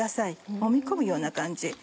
もみ込むような感じ。